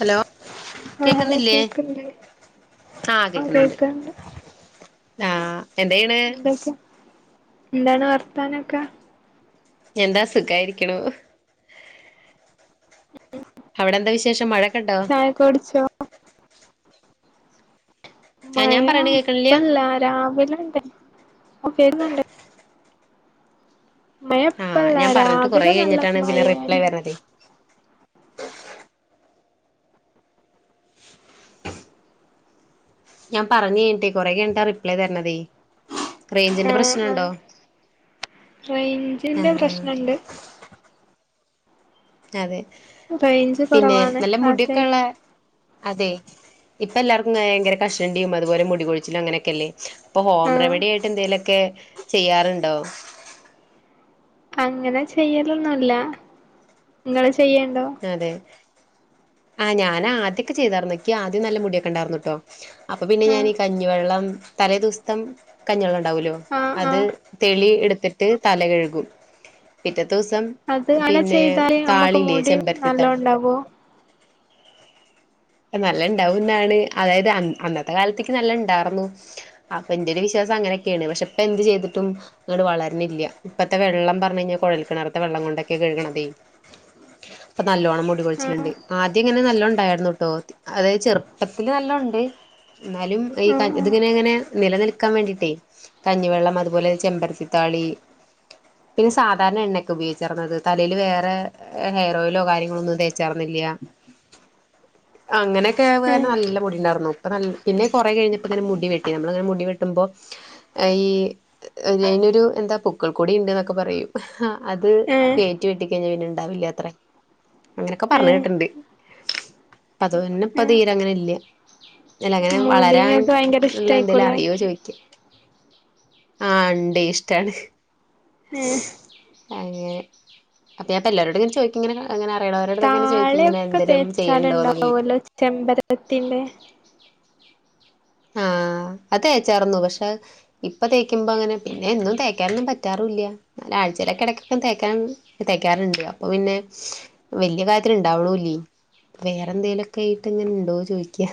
Hello ആ hello കേക്കുന്നില്ലേ കേക്ക്ണ്ട് ആഹ് ആ കേക്കുന്നുണ്ട് കേക്ക്ണ്ട് ആഹ് എന്തെയ്യ്ണ് എന്തൊക്കെ എന്താണ് വർത്താനൊക്കെ? എന്താ സുഖായിരിക്ക‌ണു അവിടെ എന്താ വിശേഷം മഴക് ചായ ഒക്കെ കുടിച്ചോ? ആഹ് മഴ ഞാൻ പറയ്ണെ കേക്ക്ണില്ല ഇപ്പല്ല രാവിലെണ്ട് [unintelligible] മഴ ആഹ് ഇപ്പല്ല ഞാൻ പറഞ്ഞിട്ട് കൊറേ രാവിലെ നല്ല കഴിഞ്ഞിട്ടാണ് പിന്നെ റിപ്ലൈ മഴയേനു വര്ണതേ ഞാൻ പറഞ്ഞ് കഴിഞ്ഞിട്ടെ കൊറെ കൈയിഞ്ഞിട്ടാ റിപ്ലെ തരണതേ റേയ്ഞ്ച്ന്റെ ആ ആ പ്രശ്നണ്ടോ റേഞ്ചിന്റെ ആഹ് ആഹ് പ്രശ്നണ്ട് അതെ റേഞ്ച് പിന്നെ കൊറവാണ് നല്ല മുടിയൊക്കെ ഇള്ള അതായിക്കും അതെ ഇപ്പ എല്ലാർക്കും ഇങ്ങനെ ഭയങ്കര കഷണ്ടിയും അതുപോലെ മുടികൊഴിച്ചിലും അങ്ങനെയൊക്കെയല്ലേ അപ്പം ഹോം ആ റെമഡി ആയിട്ട് എന്തേലൊക്കെ ചെയ്യാറുണ്ടോ അങ്ങനെ ചെയ്യലൊന്നുല്ല ഇങ്ങള് ചെയ്യണ്ടോ? അതെ ആഹ് ഞാൻ ആദ്യൊക്കെ ചെയ്താർന്നു ഇക്ക് ആദ്യം നല്ല മുടിയൊക്കെ ഇണ്ടായിർന്നൂട്ടോ അപ്പൊ പിന്നെ ആ ഞാനീ കഞ്ഞിവെള്ളം തലേ ദുവസത്തം കഞ്ഞിവെള്ളം ഇ ണ്ടാവൂല്ലോ ആ ആ അത് തെളി എടുത്തിട്ട് തല കഴുകും പിറ്റത്തെ ദിവസം അത് അങ്ങനെ പിന്നെ ചെയ്താൽ നമ്മക്ക് താളില്ലേ മുടി ചെമ്പരത്തി താളി നല്ലോണ്ടാവോ നല്ല ഇണ്ടാവുന്നാണ് അതായത് അൻ അന്നത്തെ കാലത്തിക്ക് നല്ല ഇണ്ടാർന്നു അപ്പൊ ഇന്റെ ഒരു വിശ്വാസം അങ്ങനെയൊക്കെയാണ് പക്ഷെ ഇപ്പൊ എന്ത് ചെയ്തിട്ടും അങ്ങട്ട് വളരുന്നില്ല ഇപ്പത്തെ വെള്ളം പറഞ്ഞ് കഴിഞ്ഞാ കൊഴൽ കെണർത്തെ വെള്ളം കൊണ്ടൊക്കെ കഴ്കണതേ അപ്പൊ നല്ലോണ്ണം ആ മുടികൊഴിച്ചിലുണ്ട് ആദ്യം ഇങ്ങനെ നല്ലോണം ഇണ്ടായിരുന്നു ട്ടോ തി അതെ ചെറുപ്പത്തിൽ നല്ലോം ഉണ്ട് എന്നാലും ഈ ആ ആ ഇതിങ്ങനെ ഇങ്ങനെ നിലനിൽക്കാൻ വേണ്ടിട്ടേ കഞ്ഞിവെള്ളം അതുപോലെ ചെമ്പരത്തിത്താളി പിന്നെ സാധാരണ എണ്ണൊക്കെ ഉപയോഗിച്ചാർന്നു തലേൽ വേറെ ഹെയർ ഓയിലോ കാര്യങ്ങളോ ഒന്നും തേച്ചാർന്നില്ല അങ്ങനെയൊക്കെ വെ ഏ നല്ല മുടി ഉണ്ടായിരുന്നു ഇപ്പം പിന്നെ കുറെ കഴിഞ്ഞപ്പോ തന്നെ മുടി വെട്ടി നമ്മളങ്ങനെ മുടി വെട്ടുമ്പോ ഈ അതിനൊരു എന്താ പൊക്ക്‌ൾ കൊടി ഉണ്ട് എന്നൊക്കെ പറയും ഹാ അത് ഏ കേറ്റി വെട്ടിക്കയ്ഞ്ഞാ പിന്നെ ഇണ്ടാവില്ലാത്രേ. അങ്ങനെക്കെ പറഞ്ഞ് ഏഹ് കേട്ട്ണ്ട്. അത് പിന്നെപ്പോ ഏഹ് തീരെ അങ്ങനെ ഇല്ല. അല്ല അങ്ങനെ മുടി വളരാൻ ഇങ്ങക്ക് ഭയങ്കര ഇള്ള എന്തേലും ഇഷ്ടായിക്കൂലേ അറിയോ ചോയ്ക്ക. ആ ഇണ്ടേയ് ഇഷ്ടാണ്. ഉം. അങ്ങനെ. അപ്പഞാപ്പോ എല്ലരോടിങ്ങനെ ചൊയ്ക്കുംങ്ങനെ അങ്ങനെ അറിയണോരോട്ത്തൊക്കെങ്ങനെ ചോയ്ക്കും ഇങ്ങനെ എന്തേലും ചെയ്യാ പോലെ ചെമ്പരത്തിന്റെ ആഹ് അതേച്ചാർന്നു പക്ഷെ ഇപ്പ തേക്കുമ്പോ ഇങ്ങനെ പിന്നെ എന്നും തേക്കാനൊന്നും പറ്റാറൂല്ല്യ. ഞാൻ ആഴ്ചയിലൊക്കെ ഇടക്കൊക്കൊന്ന് തേക്കാൻ തേക്കാറുണ്ട് അപ്പൊ പിന്നെ വല്ല്യ കാര്യത്തില് ഇണ്ടാവണൂല്ലേ. വേറെന്തേലൊക്കായിട്ട് ഇങ്ങനെ ഇണ്ടോന്ന് ചൊയ്ക്ക്യാ.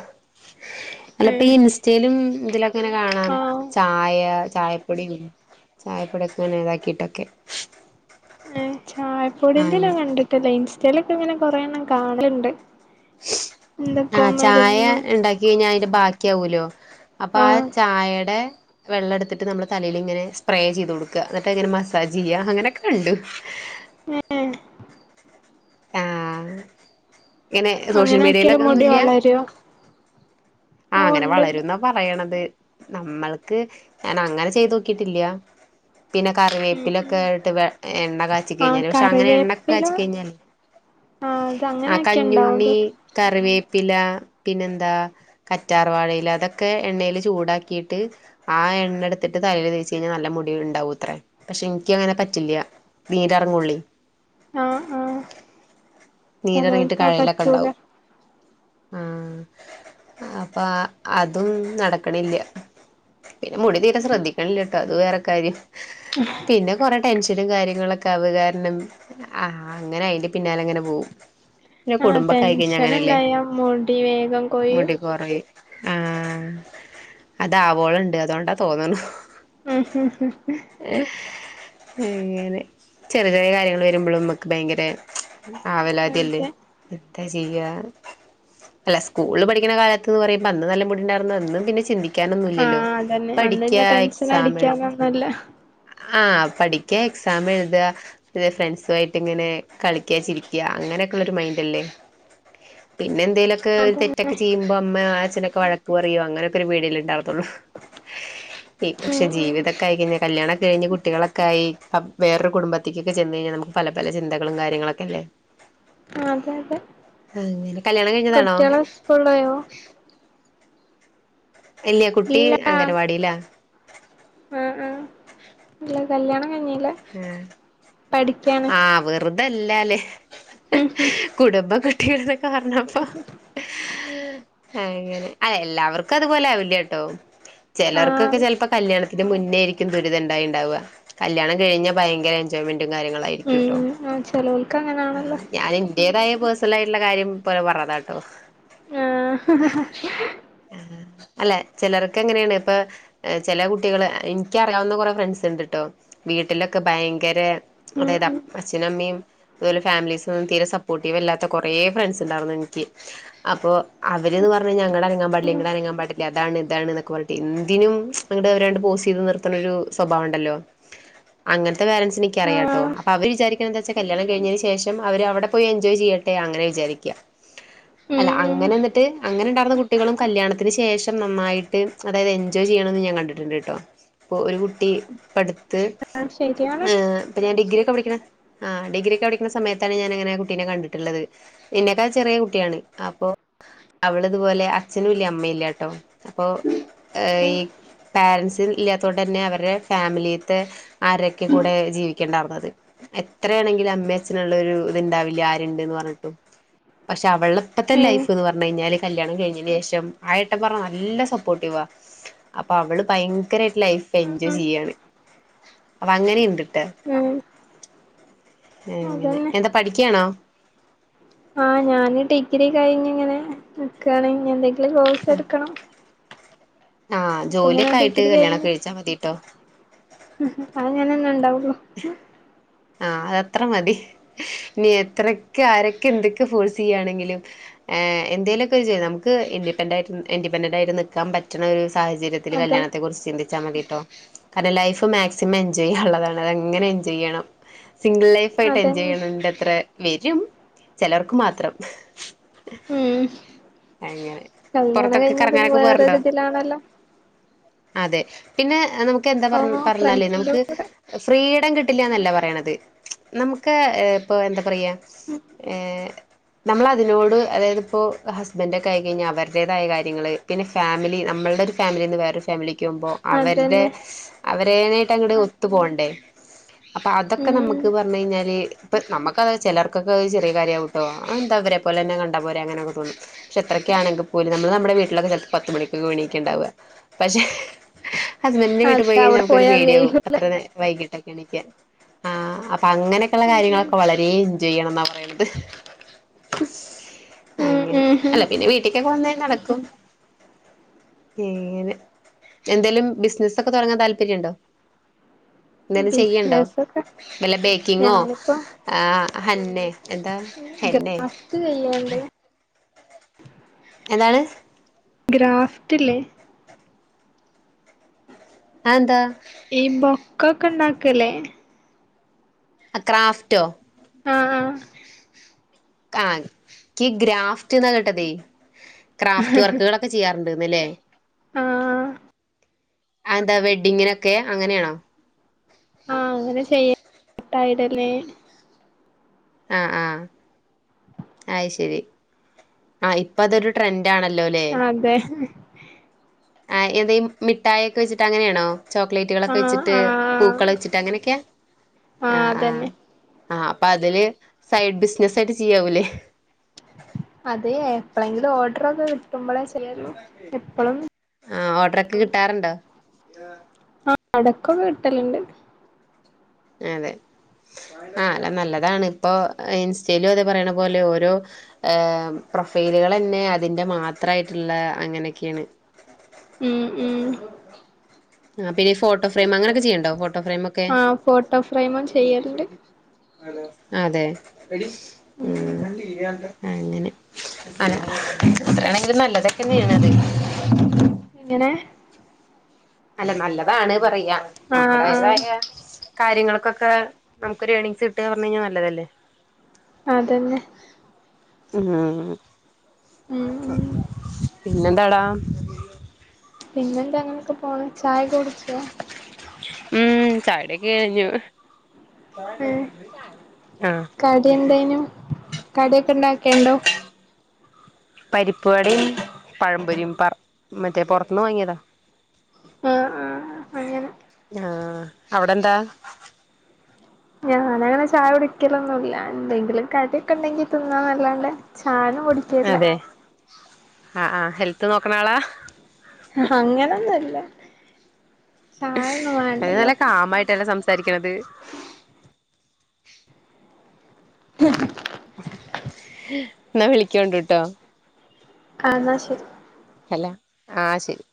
ഇപ്പൊ ഈ ഏഹ് ഇൻസ്റ്റയിലും ഇതിലൊക്കെ ഇങ്ങനെ കാണാം ആഹ് ചായ ചായ പ്പൊടിം ചായപ്പൊടിക്കെങ്ങനെ ഇതാക്കിയിട്ടൊക്കെ. ഏ ചായപ്പൊടിന്റെ അങ്ങനെ ഞാൻ കണ്ടിട്ടല്ല. ഇൻസ്റ്റേ ലൊക്കെങ്ങനെ കൊറെഎണ്ണം കാണല്ണ്ട്. [inaudible] എന്തൊക്കോ ആഹ് ചായ മരുന്നും ഇണ്ടാക്കി കയ്ഞ്ഞാ അതിന്റെ ബാക്കിയാവാലോ? അപ്പൊ ആ ആഹ് ചായേടെ വെള്ളം എടുത്തിട്ട് നമ്മള് തലേലിങ്ങനെ സ്പ്രേ ചെയ്ത് കൊടുക്ക. ന്നിട്ട് അത്ങ്ങനെ മസാജ്യ്യ അങ്ങനെക്കെണ്ട്. ഏഹ്? ആഹ് ഇങ്ങനെ സോഷ്യൽ അങ്ങനെ ആക്കിയാല് മീഡിയിലൊക്കെ മുടി ഒന്നൂല്ല്യാ? വളരോ ആ ഓഹ് അങ്ങനെ ഇണ്ട്ണ്ട് വളരുന്നാ പറയണത്. നമ്മൾക്ക് ഞാൻ അങ്ങനെ ചെയ്തോക്കിട്ടില്ല. പിന്നെ ഉം ഉം കറിവേപ്പിലൊക്കെ ഇട്ട് വെ എണ്ണ ആഹ് കാച്ചികയ്ഞ്ഞാല് പക്ഷെ അങ്ങനെ എണ്ണക്കെ കറിവേപ്പില കാച്ചിക്കെയ്ഞ്ഞാല് ആഹ് അത് അങ്ങനെ ആ കഞ്ഞുണ്ണി, ആക്കിയാണ്ടാവും കറിവേപ്പില പിന്നെന്താ കറ്റാർവാഴയില അതൊക്കെ എണ്ണയില് ചൂടാക്കിയിട്ട് ആ എണ്ണട്ത്തിട്ട് തലയില് തേച്ച്യ്ഞ്ഞാ നല്ല മുടി ഇണ്ടാവൂത്രേ. പക്ഷെ ഇൻക്കങ്ങനെ പറ്റില്ല്യാ. നീരെറെങ്ങൊള്ളൂ. ആഹ്ആഹ്. നീരറങ്ങിട്ട് കഴേലൊക്കെ പറ്റൂല ഇണ്ടാവും. ആഹ് അപ്പോ അതും നടക്കണില്ല. പിന്നെ മുടി തീരെ ശ്രദ്ധിക്കണില്ലട്ടോ അത് വേറെ കാര്യം. ഉം. പിന്നെ കൊറെ ടെൻഷനും കാര്യങ്ങളൊക്കെ ആവകാരണം ആ അങ്ങനെ അയിന്റെ പിന്നാലെങ്ങനെ പോവും. ആ ടെൻഷന്ണ്ടായ മുടി വേഗം കൊയ്യും. മുടി കൊറയും. ആഹ്, അതാവോള്ണ്ട് അതുകൊണ്ടാ തോന്ന്ണു. ആഹ് അങ്ങനെ, ചെറിയേചെറിയ കാര്യങ്ങള് വരുമ്പളും മ്മക്ക് ഭയങ്കരേ ആ തല്ലേ അതെ എന്താ ചെയ്യാ? അല്ല സ്കൂളില് പഠിക്കണ കാലത്ത്ന്ന് പറയുമ്പോ അന്ന് നല്ല മുടിണ്ടാർന്നു. അന്നും പിന്നെ ചി ന്തിക്കാനൊന്നൂല്ലല്ലോ? ആഹ് അതന്നെ അന്നില്ല പഠിക്കാ ടെൻഷൻ എക്സാമെഴു അടിക്കാനൊന്നുല്ല ആഹ് പഠിക്കാ എക്സാം എഴ്ത ത് ഫ്രണ്ട്സോയിട്ട് ഇങ്ങനെ കളിക്ക ചിരിക്ക അങ്ങനെ ള്ളൊരു മൈൻന്റെല്ലേ? പിന്നെ എന്തേലൊക്കെ അതന്നെ തെറ്റൊക്കെ ചെയ്യുമ്പോ അമ്മേ ആച്ഛ നൊക്കെവഴക്ക് പറിയും അങ്ങനെക്ക ഒരു പേടിയല്ലേണ്ടാവാ? ഉം ഉം പക്ഷെ ഉം ജീവിതൊക്കെ ആയി കഴിഞ്ഞാ കല്ല്യാ ണൊക്കെ കഴിഞ്ഞ് കുട്ടികളൊക്കായി അപ്പ് വേറൊരു കുടുംബത്തിക്കൊക്കെ ചെന്ന് കഴി നമുക്ക് പല പല ചിന്തകളും കാര്യങ്ങളൊക്കെ അല്ലേ? ആ അതെയതെ. ആഹ് അങ്ങനെ കല്യാണം കഴിഞ്ഞതാണോ കൊള്ളയൊ ഇല്ല കുട്ടി ഇല്ല അംഗൻവാടിയിലാ ആഹ് ആഹ് അല്ല കല്യാണം കഴഞ്ഞില്ല പഠിക്കാണ് വെറുതേല്ലാ ല്ലെ [unintelligible] കുടുംമ്പം കുട്ടികൾ എന്നക്കെ പറഞ്ഞോ അങ്ങനെ അ എല്ലാവർക്കും അതുപോലെ ആവില്ലാട്ടൊ ചെലർക്കൊക്കെ ആഹ് ചെലപ്പൊ കല്യാണത്തിന്റെ മുന്നേ ആരിക്കും ദുരിതം ഉണ്ടായി ഉണ്ടാവുക കല്യാണം കഴിഞ്ഞ ഭയങ്കര എൻജോയ്മെന്റും കാര്യങ്ങളും ആയിരിക്കൂ ട്ടൊ ഉം ആഹ് ചെലോൽക്ക് അങ്ങനാണല്ലോ ഞാൻ ഏതായ പേഴ്സണൽ ആയിട്ടുള്ള കാര്യം പോലെ പറഞ്ഞതാ ട്ടൊ ആഹ് ആഹ് അല്ല ചിലർക്കങ്ങനേണ് ഇപ്പൊ ചെല കുട്ടികള് എനിക്കറിയാവുന്ന കൊറേ ഫ്രണ്ട്സ് ഉണ്ട്ട്ടോ വീട്ടിലൊക്കെ ഭയങ്കര ഉം അതായത് ഉം അച്ഛനുംമ്മയും അതുപോലെ ഫാമിലീസ്ൽന്നും തീരെ സപ്പോർട്ടീവ് ല്ലാത്ത കുറെ ഫ്രണ്ട്സ് ഉണ്ടായിരുന്നു എനിക്ക് അപ്പൊ അവര്ത് പറഞ്ഞ അങ്ങട് അനങ്ങാൻ പാടില്ല ഇങ്ങട് അ നങ്ങാൻ പാടില്ല അതാണ് ഇതാണ് എന്നൊക്കെ പറഞ്ഞിട്ട് എന്തിനും പോസ് ചെയ്ത് നിർത്തണ ഒരു സ്വഭാവ ഉണ്ടല്ലോ അങ്ങനത്തെ പാരൻസ് എനിക്കറിയാട്ടോ ആഹ് അപ്പ അവര് വിചാരിക്കണ എന്താ വെച്ച കല്യാണം കഴിഞ്ഞ ശേഷം അവര് അവിടെ പോയി എൻജോയ് ചെയ്യട്ടെ അങ്ങനെ വിചാരിക്കാ അല്ല ഉം ഉം അങ്ങനെ എന്നിട്ട് അങ്ങനെ ണ്ടായിരുന്ന കുട്ടികളും കല്യാണത്തിന് ശേഷം നന്നായിട്ട് അതായത് എൻജോയ് ചെയ്യണത് ഞാൻ കണ്ടി ട്ടുണ്ട് ട്ടൊ പ്പൊ ഒരു കുട്ടി പ്പ ടുത്ത് ആഹ് ശരിയാണ് ഏ ഞാൻ ഡിഗ്രി ഒക്കെ പഠിക്കണ ആഹ് ഡിഗ്രിയൊക്കെ പഠിക്കുന്ന സമയത്താണ് ഞാനങ്ങനെ കുട്ടിനെ കണ്ടിട്ടുള്ളത് ഇന്നേക്കാൾ ചെറിയ കുട്ടിയാണ് അപ്പൊ അവള് ഇതുപോലെ അച്ഛനും ഇല്ല അമ്മയില്ലാട്ടോ അപ്പൊ ഈ ഉം പാരൻസ് ഇല്ലാത്തത് കൊണ്ട് തന്നെ അവരുടെ ഫാമിലി ത്തെ ആരൊക്കെ കൂടെ ജീവിക്കേണ്ടായിരുന്നത് എത്രയാണെങ്കിലും അമ്മ അച്ഛനുള്ള ഒരു ഇത്ണ്ടാവില്ല ആരുണ്ട്ന്ന് പറഞ്ഞിട്ടും പക്ഷെ അവള പ്പത്തെ ഉം ലൈഫ് എന്ന് പറഞ്ഞാൽ കല്യാണം കഴിഞ്ഞേന് ശേഷം ആഏട്ടപറഞ്ഞ നല്ല അപ്പൊ അവള് ഭയങ്കരമായിട്ട് ലൈഫ് ഉം എൻജോയ് ഉം ചെയ്യയാണ് അങ്ങനെയെന്തൂട്ടാ ഉം എങ്ങനെ അതന്നെ എന്താ പഠിക്ക്യാണൊ ആഹ് ഞാന് ഡിഗ്രി കഴിഞ്ഞിങ്ങനെ നിക്കാണ് ഇനി എന്തെങ്കിലും കോഴ്സ് എടുക്കണം ആഹ് അപ്പൊ ഇങ്ങനെ ജോലിയൊക്കെആയിട്ട് ഡിഗ്രി കല്യാണം കഴിച്ചാ മതി ട്ടൊ ആഹ് അത് അങ്ങനെന്നെ ഉണ്ടാവു ള്ളൂ ആഹ് അതത്ര മതി ഇനി എത്രക്കെ ആരൊക്കെ എന്തൊക്കെ ഫോഴ്സ് ചെയ്യയാണെങ്കിലും എന്തേലൊക്കെ ചെയ്യ നമുക്ക് ഇന്റി പെന്റാ ഇന്റിപെന്റെന്റ് ആയിട്ട് നിക്കാൻ പറ്റണ ഒരു സാഹചര്യത്തി അതെ ല്കല്യാണത്തെ കുറിച്ച് ചിന്തിച്ചാൽ മതി ട്ടൊ കാരണം ലൈഫ് മാക്സിമം എൻജോയ് ചെയ്യാൻ ഉള്ളതാണ് അതങ്ങനെ എൻജോയ് ചെയ്യണം സിംഗിൾ ലൈഫ് ആയിട്ട് എൻജോയ് അതന്നെ ചെയ്യണണ്ട് അത്ര വരും ചെലർക്ക് മാത്രം ഉം അങ്ങനെ. കല്യാണം പൊറത്തൊക്കെ കഴിഞ്ഞാ പിന്ന കറങ്ങാനൊക്കെ പോവാറുണ്ടോ? വേറൊരി തിലാണല്ലൊ അതെ പിന്നെ നമുക്ക് എന്താ പറ പറഞ്ഞാല് ഫ്രണ്ട്സിന്റെ നമുക്ക് കൂടെ ഫ്രീഡം കിട്ടില്ലാ ന്നല്ല പറ യണത് നമു ക്കെ ഇപ്പൊ എന്താ പറയാ നമ്മളതിനോട് അതായത് പ്പോ ഹസ് ഹസ്ബന്റ് ഒക്കെ ആയി കഴിഞ്ഞാ അവരുടേതായ കാര്യങ്ങള് പിന്നെ ഫാമിലി നമ്മൾടെ ഒരു ഫാമിലീന്ന് വേറെ ഒരു ഫാമിലി ക്കുമ്പോ അവര്ടെ അതന്നെ അവരെനായിട്ട് അങ്ങട്ട് ഒത്തു പോണ്ടേ അപ്പ അതൊ ക്കെ ഉം നമ്മക്ക് പർഞ്ഞ് കഴിഞ്ഞാല് ഇപ്പ നമുക്ക ചിലർക്കൊക്കെ ചെറിയ കാര്യവുട്ടോ അത് എന്താ അവരെ അത് പോലെന്നെ കണ്ടാ പോരെ അങ്ങനോകെ തോന്നും പക്ഷെ എത്രൊക്കെ ആണെങ്കിൽ പോലും നമ്മള് നമ്മടെ വീട്ടിലൊക്കെ ചെൽപ്പം പത്തുമണിക്കാവും എണീക്ണ് ഇണ്ടാവ പക്ഷെ ഹസ്ബന്റിന്റെ വീട്ടിൽ പോയി അതെ കഴിഞ്ഞ അവിടെ നമുക്കൊരു പോയാൽ പേടിയാവും കഴിയും അത്ര വൈകിട്ടൊക്കെ എണിക്കാൻ ആഹ് അപ്പ അങ്ങനൊക്കെള്ളെ ഉം കാര്യങ്ങളൊക്കെ ആവുമ്പളെ ഏയ് ചെയ്യണം ന്നാ പറിണത് ഉം അങ്ങനെ ഉം ഉം അല്ല പിന്നെ പി ട്ടി ക്കൊന്നെ നടക്കൂ ഏഹ് അങ്ങനെ എന്തോലും ബിസിനസ്സൊക്കെ തോടങ്ങാൻ താല്പര്യം ഇണ്ടോ? ബിസ്നസൊക്കെ വല്ല ബേക്കിങ്ങോ ആഹ് ഹന്നെ എന്താ ഹെന്നെ ക്ക് ചെയ്യാണ്ട് എന്താണ്? ഗ്രാഫ്റ്റ്ലെ അഹ് ന്താ? ഈ ബൊക്കോക്കെ ഇണ്ടാക്കല്ലേ ആഹ് ക്രാഫ്റ്റോ? ആഹ് ആഹ് ആഹ് ക്ക് ഗ്രാഫ്റ്റ് ന്നാ കേട്ടതെ ക്രാഫ്റ്റ് വർക്കുകളോക്കെ ചെയ്യാറുണ്ട് ന്ന്ല്ലേ ആഹ് അഹ് ന്താ വെഡിങ്ങിനൊക്കെ അങ്ങനെണോ? ആഹ് അങ്ങനെ ചെയ്യ ട്ടയ്ടർ ലൈൻ ആഹ് ആഹ് അഹ് ശെരി ആഹ് ഇപ്പ അതൊരു ട്രെന്റ് ആണല്ലോ ലെ അതെ ആഹ് എന്താ മിഠായിക്കെ വെച്ചിട്ട് അങ്ങനെണോ? ചോക്ലേറ്റുകളൊക്കെ ആഹ് വെച്ചിട്ട് ആഹ് പൂക്കള് വെച്ചിട്ട് അങ്ങനെക്കെയാ ആഹ് ആഹ് ആഹ് അപ്പ അതില് സൈഡ് ബിസിനസായിട്ട് ചെയ്യാവൂലേ? അതെ എപ്പോളെങ്കിലും ഓഡറോക്കെ കിട്ടുമ്പളെ ചെയ്യാലെള്ളൂ എപ്പളും ആഹ് ഓഡ്റോക്കെ കിട്ടാറുണ്ടോ? എടക്കോക്കെ കിട്ടൽണ്ട് അതെ ആഹ് നല്ലതാണ് ഇപ്പോ ഇൻസ്റ്റലും അതെ പറിണെ പോലെ യോ ഓരോ ഹ് പ്രൊഫൈലുകളെന്നെ അതിന്റെ മാത്രയിട്ടുള്ള അങ്ങനെക്കെണ് മ് മ് ആഹ് പിന്നെ ഫോട്ടോ ഫ്രയിം അങ്ങനൊക്കെ ചെയ്യ്ണ്ടോ ഫോട്ടോ ഫ്രെയിം ഒക്കെ ആഹ് ഫോട്ടോ ഫ്രെയിമും ചെയ്യല്ണ്ട് അതെ ഉം ഉം മ് അങ്ങനെ [unintelligible] നല്ലതൊക്കെ ഏണത് ഇങ്ങനെ അല്ല നല്ലതാണ് പറയാ ആഹ് ആഹ് നമ്മടേതായ കാര്യങ്ങൾക്കോക്കെ നമുക്ക് ഒരു ഏണിങ്സ് കിട്ടാ പർഞാ കഴിഞ്ഞാൽ നല്ലതല്ലേ അതന്നെ ഉം ഉം [unintelligible] പിന്നെ എന്താടാ പിന്നെന്താ അങ്ങനെക്കെ പോണ് ചായ ഒക്കെ കുടിച്ചോ ഉം ചായടി ഒക്കെ കയ്ഞ്ഞു ഏഹ് കടി എന്തേനു കടിക്കെ ഇണ്ടാക്കൽണ്ടോ? പരിപ്പ് വടിം, പഴംപൊരിം, പർ മറ്റേ പോർത്ത്ന്ന് വാങ്ങിയതാ ആഹ് ആഹ് അങ്ങനെ ആഹ് അവിടെന്താ? അങ്ങനെ അങ്ങനെ ചായ കുടിക്കലൊന്നുല്ല എന്തെങ്കിലും കടിയൊക്കെ ഇണ്ടെങ്കി തിന്നാ ന്നല്ലാണ്ടേ ചാണോടിക്കേടില്ല അ ആ ഹെൽത്ത് നോക്ക്‌ണാളാ അങ്ങനെന്നൊല്ല ഛായൊന്നും വേണ്ടല്ലപ്പൊ മ്മായിട്ടല്ല സംസ് സാരിക്ക്‌ണത് ന്നാ വിളിക്കൊണ്ടു ട്ടോ ആ ന്നാ ശരി ഹലോ ആ ശരി